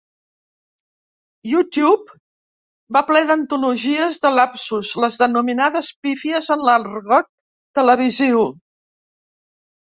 YouTube va ple d'antologies de lapsus, les denominades pífies en l'argot televisiu.